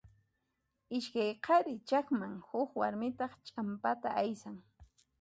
Iskay qhari chaqman, huk warmitaq ch'ampata aysan.